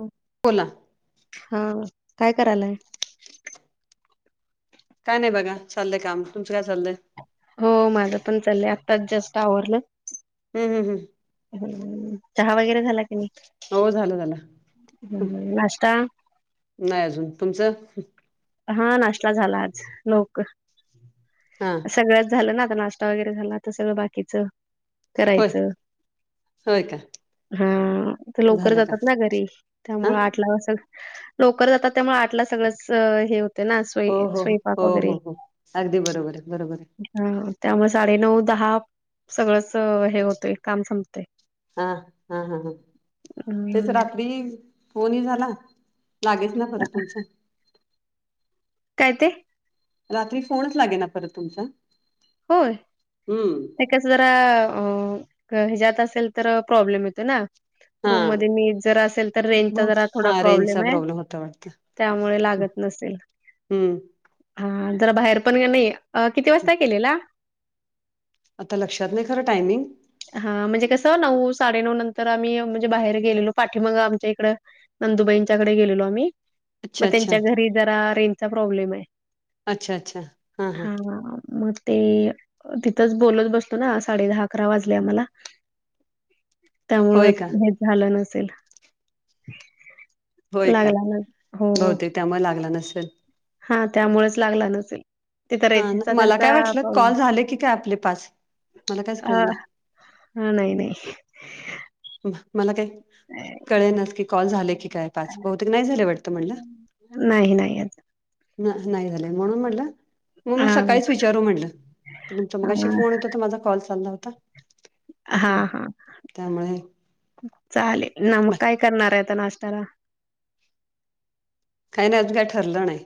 हो. बोला. हा काय करायलाय? काय नाही बघा चालय काम, तुमचं काय चाललंय? हो, माझं पण चालंय आत्ताच जस्ट आवरलं. हम्म -हम्म -हम्म हम्म.... चहा वगैरे झाला की नाही? हो झालं झालं हम्म.. नाश्ता? नाही अजून, तुमचं? हा नाष्टा झाला आज लवकर. हा सगळंच झालं ना, आता नाष्टा वगैरे झाला आता सगळं बाकीच, होय करायचं. होय का? हा, त लवकर झालं का जातात ना घरी हा त्यामुळ आठला वास लोकर जातात त्यामुळे आटला सगळंच हे होत. हो- हो- हो- हो- हो अगदी बरोबराय- बरोबराय. हा.. त्यामुळे साडेनऊ- दहा सगळंच हे होतय काम संपतय. हा- हा- हा- हा तेच हम्म रात्री फोनही झाला लागेच ना परत तुमचं. काय ते? रात्री फोनच लागे ना परत तुमचा. होय हम्म ते तेच जरा अ हेज्यात असेल तर प्रॉब्लेम येतो ना. हा रूम मध्ये मी जर असेल तर रेंजचा बहुत जरा थोडा हा रेंजचा प्रॉब्लेम आय. होता वाटत त्यामुळे लागत नसेल. हम्म हा जरा बाहेर पण कने, किती वाजता केलेला? आता लक्षात नाही खरं टायमिंग. हा म्हणजे कसं नऊ -साडेनऊ नंतर आम्ही म्हणजे बाहेर गेलेलो पाठीमाग आमच्या इकडं नंदुबाईंच्याकडे गेलेलो आम्ही, म अच्छा अच्छा त्यांच्या घरी जरा रेंजचा प्रॉब्लेम हाय. [inaudible] हा मग ते तिथंच बोलत बसतो ना साडेदहा -अकरा वाजले आम्हाला. त्यामुळं होय का हेच झालं नसेल. होय [inaudible] का लागला ना- हो. बहुतेक त्यामुळे लागला नसेल. हा त्यामुळेच लागला नसेल. तिथं हा रेंजचा मला तेंचा काय वाटलं प्रॉब्लेम कॉल झाले की काय आपले पाच मला [unintelligible] कायच आ कळेना हा नाही -नाही मला काय, कळेनाच की कॉल झाले की काय? पाच, बहुतेक नाही झाले वाटत मला नाही, नाही येत. नाही झाले म्हणून म्हटलं म-म हां, सकाळीच विचारू म्हटलं तुमचा मगाशी हां, फोन होता तर माझा कॉल चालला होता. हम्म हां, हां. त्यामुळे चालेल ना, मग काय करणारये आता नाष्ट्याला? काही नाही अजून काय ठरलं नाही.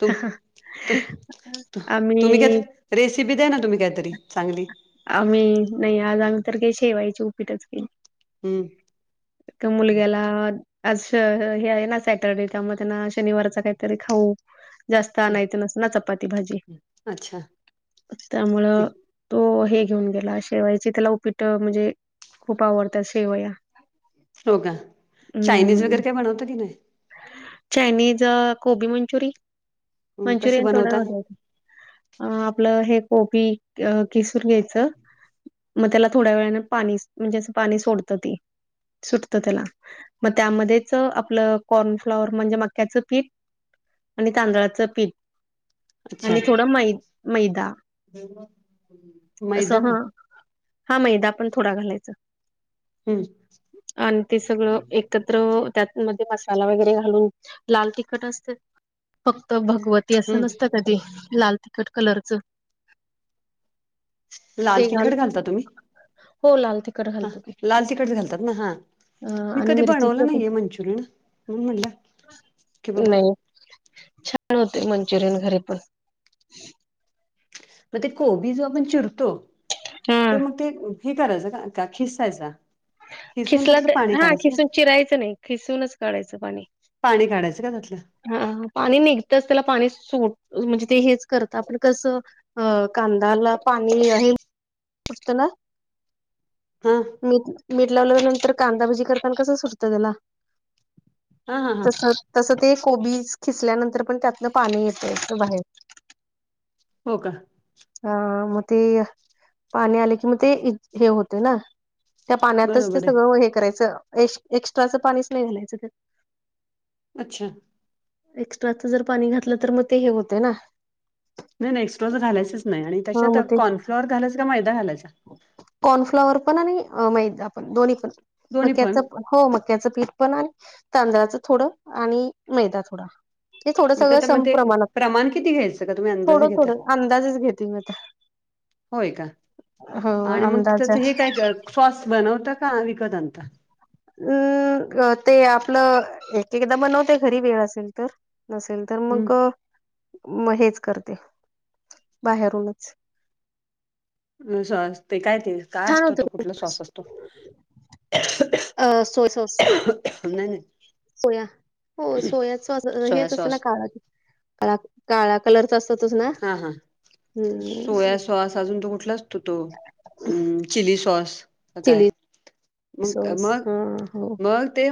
तुम-तुम-तुम तुम्ही आम्ही काय रेसिपी दद्या ना, तुम्ही काहीतरी चांगली. आम्ही नाही आज आम्ही तर काय शेवायची उपीटच केल. हम्म. तर मुलग्याला आज हे आहे ना सॅटरडे त्यामुळे त्यांना शनिवारचा काहीतरी खाऊ जास्त आणायचं नसत ना चपाती भाजी. अच्छा त. त्यामुळं तो हे घेऊन गेला शेवायची त्याला उपीट म्हणजे खूप आवडतात शेवया. हो का. हम्म. हे बणवता की नाही? चायनीज, कोबी मंचुरी नाही कसे मंचुरियन थोड बनवता थोडं. अ आपलं हे कोबी कि-किसून घ्यायचं. मग त्याला थोड्या वेळाने पाणी म्हणजे अस पाणी सोडतं ती. सुटत त्याला मग त्यामध्येच आपलं कॉर्नफ्लावर म्हणजे मक्याचं पीठ आणि तांदळाचं पीठ. अच्छा आणि थोडा मै-मैदा. मैदा. हा मैदा पण थोडा घालायचं. हम्. आणि ते सगळं एकत्र त्यात मध्ये असं मसाला वगैरे घालून लाल तिखट असते. फक्त भगवती अस हम्म कधी लाल तिखट कलरचं लाल ते घाल तिखट घालता तुम्ही? हो लाल तिखट. हा. घालतो की. लाल तिखटच घालतात ना. हा. अ, मी आणि कधी मिरचीचं बनवलं पण नाहीये मंचुरियन. म्हणून म्हणलं. नाही. छान होते मंचुरियन घरी पण. मग ते कोबी जो आपण चिरतो, हा तर मग ते हे करायचं का खिसायचा? खिसून खिसला त्यातलं तर पाणी हा काढायचं का खिसून चिरायचं नाही. खिसूनच काढायचं पाणी. पाणी काढायचं का त्यातल्या? ह पाणी निघतच. त्याला पाणी सोड म्हणजे ते हेच करत आपण कसं अ कांदाला पाणी हे [unintelligible] हा. म मीठ लावलेल्या नंतर कांदाभजी करताना कसं सुटतं त्याला. हा हा हा तस-तस ते कोबी खिचल्यानंतर पण त्यातन पाणी येते बाहेर. हो का. हा मग ते पाणी आले की मग ते हे होते ना. त्या पाण्यातच ते बरोबर आहे सगळं हे करायचं एक्स्ट्राचं पाणीच नाही घालायचं त्यात. अच्छा! एक्स्ट्राचं जर पाणी घातलं तर मग ते हे होतेय ना. नाही-नाही एक्स्ट्राचं घालायचेच नाही आणि हा त्याच्यात मग ते कॉनफ्लॉवर घालायच का मैदा घालायचा? कॉर्नफ्लॉवर पण आणि मैदा पण दोन्ही पण मक्याचं पण. हो मक्याचं पीठ पण आणि तांदळाचं थोडं आणि मैदा थोडा. हे थोडं मग सगळं त्या स मग ते प्रमाणात प्रमाण किती घ्यायचं का तुम्ही अंदाजे थोडं, घेता थोडं अंदाजेच घेते मी आता. होय का हो आणि मग अंदाज त्याच अम् हे काय सॉस बनवता का विकत आणता? हूं ते आपलं एक एकदा बनवते घरी वेळ असेल तर. नसेल तर मग हम्म म हेच करते बाहेरूनच. नं सॉस ते काय ते काय छान असत, होत तो कुठल सॉस असतो? अ सोय सॉस. नाही नाही सोया हो सोयाच सॉस अ सोया हेच असल ना सॉस काळ ते. काळा, काळा कलरचा असतो तोच ना? हा हा सोया सॉस अजून तो कुठला असतो तो चिली सॉस का काय. चिली सॉस हा हो मग-मग ते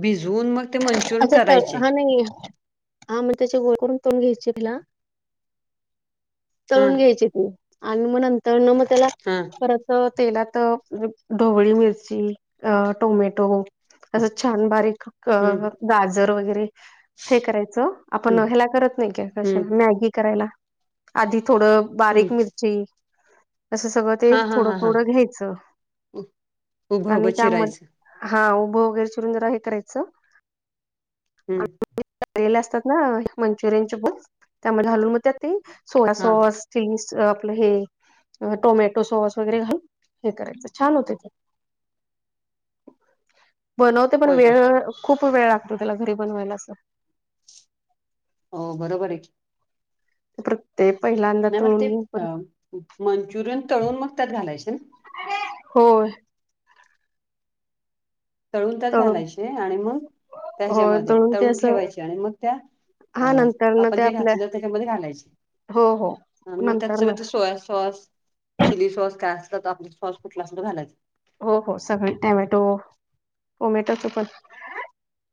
भिजवून मग. ते मंचुरियन आच त करायचे हा नाही हा मग त्याचे गोळे करून तळून घ्यायचे त्याला. हा तळून घ्यायचे ते आन म नंतर न म त्याला हा! परत तेलात ढोवळी मिरची, अ टोमॅटो. असं छान बारीक क हम्म गाजर वगैरे. हे करायचं, आपण हम्म ह्याला करत नाही क हम्म कशाला मॅगी करायला. आधी थोडं हम्म बारीक मिरची. अस सगळं ते हा हा थोडं, हा हा थोडं घ्यायचं उभं आणि उभं त्यामध्ये चिरायचं हा उभं वगैरे चिरून जर हे करायचं. हूं! तळलेले असतात ना मंचूरियन चे बॉल त्यामध्ये घालून मग त्यात ते सोया हा सॉस चीज आपलं हे. अ टोमॅटो सॉस वगैरे घालून हे करायचं छान होतय ते. बनवते पण होय का वेळ खूप वेळ लागतो त्याला घरी बनवायला अस. हो बरोबर हे की. प्रत्येक पहिला. नाही मग ते मंचूरियन तळून मग त्यात घालायचे ना. होय! तळून त्यात घालायचे, आणि मग हो त्याच्यामध्ये ते तळून असं ठेवायचे आणि मग त्या अ हा नंतर न आपण ते जे आपल्या घातल त्याच्यामध्ये घालायचे. हो हो आण मग त्यात नंतर सगळं न ते सोया सॉस चिली सॉस काय असत तर आपल सॉस कुठला असल तो घालायचं. हो हो सगळे टोमॅटो, टोमॅटोचं पण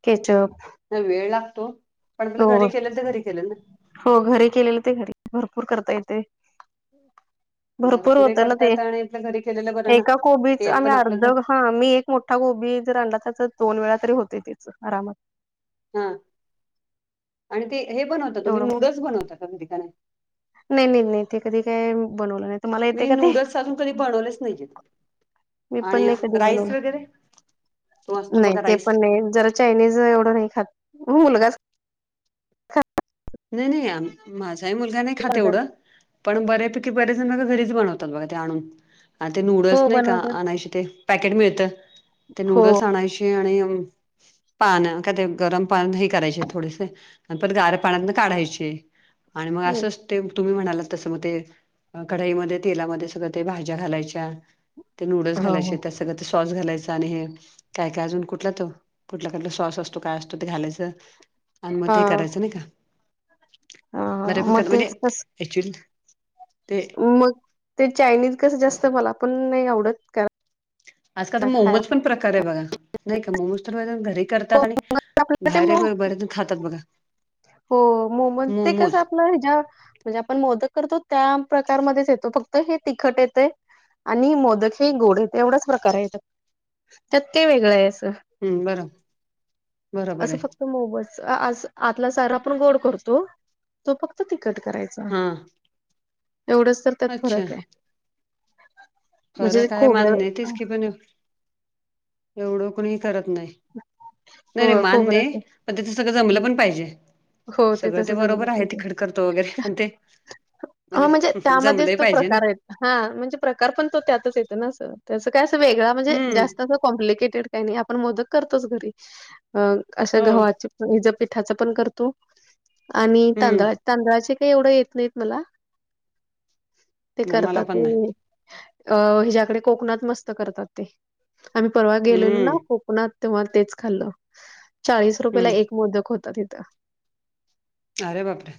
केचप नाही वेळ लागतो पण आपल्या हो घरी केलेल त घरी केलेल ना. हो घरी केलेलं ते घरी भरपूर करता येतेय. भरपूर हे होत ना ते करतात आणि आपलं घरी केलेलं बरं ना एका कोबीच तेल आम्ही पण आपलं अर्ध घरच हा मी एक. मोठा गोबी जर आणला त्याच दोन वेळा तरी होत त्याच आरामात. हा आणि ते हे पण होत तुम्ही नूडल्स बनवता का घरी का नाही. नही नही नही ते कधी काय बनवलं नाही. तुम्हाला मी येते का ते नूडल्स अजून कधी बनवलेच नाहीजीत. मी पण नाही कधी बनवल, तो असतो नाही बघा ते राईस पण नाही जरा चायनीज एवढं नाही खात मुलगाच नही नही माझा हीं मुलगा नाही खात पदार्थ एवढं. पण बऱ्यापैकी बरेचजण त घरीच बनवतात बघा ते आणून. आणि ते हो नूडल्स नाई का... बनवतात आणायशे ते... पॅकेट मिळतं... ते हो नूडल्स आणायशे ते आणि... पान.. काय ते... गरम पाण्यात हे करायचे थोडेसे आणि परत गार पाण्यातनं काढायचे... आणि मग असं ते तुम्ही म्हणालात तसं.. मग ते कढाईमध्ये, तेलामध्ये सगळं ते भाज्या घालायच्या ते नूडल्स हा हो घालायचे... त्या सगळं ते सॉस घालायचं आणि हे काय काय अजून कुठला तो... कुठला कुठला सॉस असतो... काय असतो ते घालायचं अन... मं.... हा ते करायचं नाई का? बऱ्या हा मग प्रकारे ते म्हणजे कस अऍक्चुअली मग ते चायनीज कसं जास्त... मला पण नाई आवडत कराय आजकाल तर मोमोज पण प्रकार ए बघा... नाही का मोमोज तर गरम घरी करतात आणि आपल्याला बाहेर ए.... ते पण बरेच जण खातात बघा हो... मोमोज ते कसं आपलं... ह्याच्यावर म्हणजे आपण मोदक करतो त्या.... प्रकारमध्येच येतो फक्त हे तिखट येतय आणि मोदक हे गोड ए... एवढाच प्रकार आहे त्यात..... ते वेगळं आहे असं. हम्म बरं. बरोबर असं आहे फक्त सारा आपण गोड करतो... तो फक्त तिखट करायचा हा एवढंच तर त्यात अच्छा फरक ए. फरक आहे मान्य तेच की पण एवढं कोणी करत नाई. नाई हो नाई... मान्य ए.... खोबऱ्याचं पण त्याचं सगळं जमलं पण पाहिजे? हो सगळं ते तसं जमलं बरोबर आहे... पण ते. तिखट करतो वगैरे पण ते म्हणजे... हूहू.... जमले पाहिजे ना? हा... म्हणजे प्रकार पण तो त्यातच येतं ना असं... त्या असं काय असं वेगळा... म्हणजे हम्म जास्त करून कॉम्प्लिकेटेड काही नाही... आपण मोदक करतोच घरी... अशा हो गव्हाच्या [unintelligible] पिठाचं पण करतो आणि तांदळा हम्म तांदळाचे काय एवढं येत नाहीत मला... ते मला करतात पण नाही ते अं... हिच्याकडे कोकणात मस्त करतात ते... आम्ही परवा गेलेलो ना हम्म कोक -णात तेव्हा तेच खाल्लं... चाळीस हम्म रुपययाला एक मोदक होता तिथं अरे बापरे....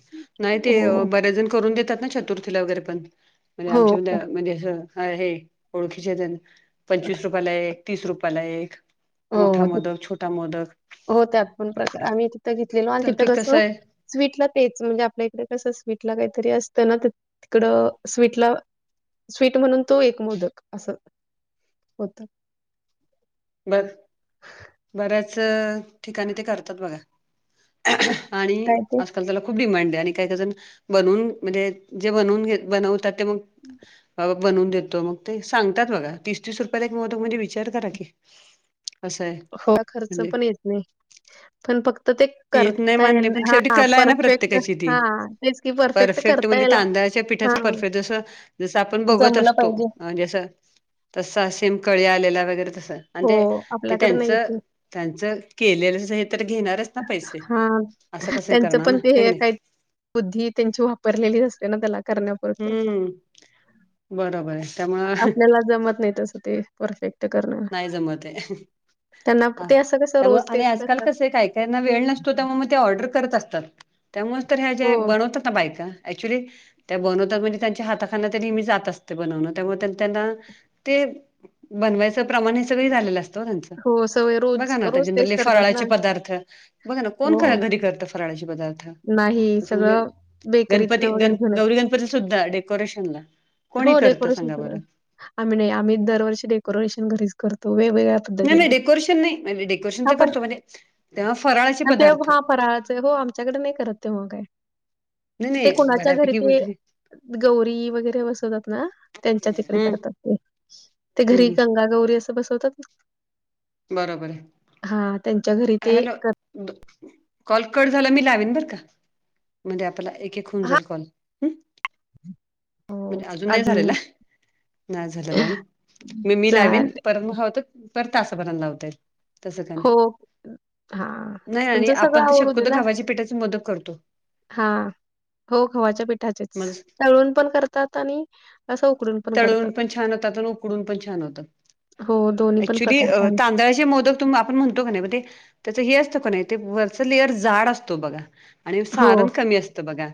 नाही ते... हो अं... बऱ्यांच जण करून देतात ना चतुर्थीला वगैरे पण म्हणजे हो आमच्या मधे... का? म्हणजे असं आहे. ओळखीचे एक जण... पंचवीस रुपयाला एक तीस रुपयाला एक... मोठा हो ते मोदक... छोटा मोदक हो त्यात पण प्रकार... आम्ही जिथं घेतलेलो आणि तर तिथं ते कसं आहे स्वीटला तेच... म्हणजे आपल्या इकडे कसं... स्वीटला काहीतरी असतं ना... तिकडं स्वीटला स्वीट म्हणून तो एक मोदक... असं होता. बर... बऱ्याच ठिकाणी ते करतात बघा [unintelligible] आणि काय ते आजकाल त्याला खूप डिमांड ए... आणि काय काय जण... बनून.. म्हणजे जे बनवून घे... बनवतात ते मग.. अं बनवून देतो... मग ते सांगतात बघा... तीस तीस रुपयाला एक मोदक... म्हणजे विचार करा की असं ए. [unintelligible] खर्च पण येत नई. पण फक्त ते येत नाही करता मान्य येईल.. पण शेवटी हा कला आहे ना परफेक्ट... प्रत्येकाची ती. हा तेच की परफेक्ट करता म्हणजे... यायला तांदळाच्या पिठाचं... हां, परफेक्ट जसं... जसं आपण बघत जमलं असतो पाहिजे. जसं तसा सेम... कळी आलेला वगैरे... तसं... आणि हो, ते... आपल्याकडे नाही त्यांचं ते. त्यांच... केलेलं नाही तर घेणारच ना पैसे हा... असं कसं त्यांचं करणार ना पण ते की हे नाही काय? बुद्धी त्यांची वापरलेलीच असते ना... त्याला करण्यापुरतं हम्म बरोबर आहे त्यामुळं आपल्याला जमत नाही तसं ते परफेक्ट करण नाही जमत आहे त्यांना ते असं, कसं रोज तेच करतात त्यांना वेळ नसतो त्या मग ते ऑर्डर करत असतात त्यामुळे्या ह्या हो, ज्या बनवतात बाईका ऍक्च्युली त्या बनवतात म्हणजे त्यांच्या हाताखालन ते नेहमी जात असते बनवण त्यामुळे त्यांना ते बनवायचं प्रमाण हे सगळ झालेलं असत हो त्याचं हो, सवय रोज बघा रोज ना तेच करतात फराळाचे ना. पदार्थ बघा ना कोण हो, घरी करत फराळायाचे पदार्थ नाही तसं म्हणजे सगळं बेकरीतनं गणपती वगैरे घेऊन येतात. गौरी गणपती सुद्धा डेकोरेशन ला कोणी हो, करत डेकोरेशन सांगा बर सगळं. आम्ही नाही आम्ही दरवर्ष डेकोरेशन घरीच करतो वेगवेगळ्या नाही, पद्धतीने. नाही डेकोरेशन नाही डेकोरेशन हां, तर पण करतो म्हणजे तेव्हा फराळाचे आणि ते पदार्थ हां, फराळाचं हो आमच्याकडे नाही करत तेव्हा काय नाही ते नाही कुणाच्या घरी बऱ्यापैकी ते वगैरे गौरी वगैरे बसवतात ना त्यांच्या तिकडे हम्म करतात ते ते घरी हम्म गंगा गौरी असं बसवतात बरोबर आहे हा त्यांच्या घरी ते हॅलो कर कॉल कट झाला मी लावेन बरं का म्हणजे आता एक, एक होऊन हां, जाईल कॉल हम्म [unintelligible] म्हणजे अजून नाही झालेला नाही झालेला म मी लावीन चालेल. परत म हवं तर परत तासाभरान लावता येईल तस काय नाही, हो, हां. नाही तुमचं सगळं आपण तर आवरू शक्यतो गव्हाच्या पिठाचे मोदक करतो हा हो गव्हाच्या पिठाचेच मग तळून पण करतात आणि असं उकडून तळून पण छान होतात उकडून पण छान होतं हो, दोन्ही पण ऍक्च्युली प्रकारचे आम्ही तांदळाचे मोदक आपण म्हणतो का नाही ते त्याच हे असतं का नाही वरच लेअर जाड असतो बघा आणि हो. सारण कमी असतं बघा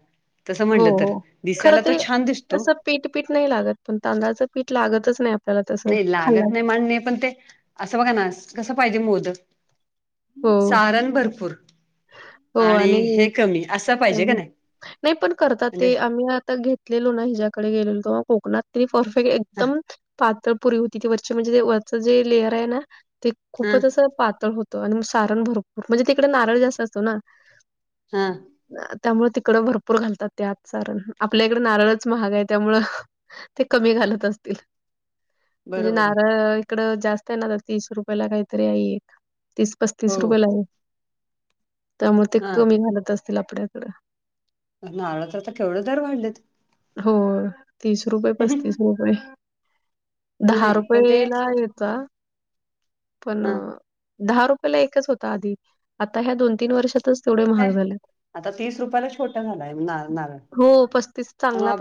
तसं हो, म्हटलं तर दिसायला तो छान दिसतो पीठ, पीठ नाही लागत पण तांदळाचं पीठ लागतच नाही आप नाही लागत नाही मान्य पण ते असं बघा ना कसं पाहिजे मोदक हो, सारण भरपूर आणि हे कमी असं पाहिजे का नाही नाही पण करतात म्हणजे ते आम्ही आता घेत गेलोना हिच्याकडे गेलेलो कोकणात तिनी एकदम परफेक्ट हा एकदम पातळ पुरी होती ते वरचे म्हणजे वरचं जे लेयर आहे ना ते हा खूपच अस पातळ होत आणि सारण भरपूर म्हणजे तिकडे नारळ जास्त असतो ना हा त्यामुळ तिकडं भरपूर घालतात ते आत सारण आपल्या इकडे नारळच महाग आहे त्यामुळ ते कमी घालत असतील म्हणजे बरोबर आहे नारळ इकड जास्त आहे ना तर तीस रुपयाला काहीतरी आहे एक तीस पस्तीस हो तीस रुपयाला आहे त्यामुळे ते हा कमी घालत असतील आपल्याकडं नारळाचं आता तर केवढं दर वाढलेत होय तीस रुपये, पस्तीस नाही रुपये दहा नाही पण ते रुपयेला येता पण हा दहा रुपयला एकच होता आधी आता ह्या दोन, तीन वर्षातच तेवढे महाग काय झालेत आता तीस रुपयाला छोटा झालाय नारळ हो पस्तीस चांगला पाहिजे